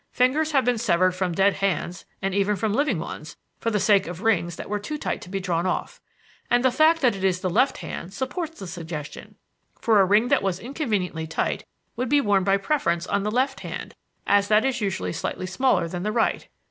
Fingers have been severed from dead hands and even from living ones for the sake of rings that were too tight to be drawn off. And the fact that it is the left hand supports the suggestion; for a ring that was inconveniently tight would be worn by preference on the left hand, as that is usually slightly smaller than the right.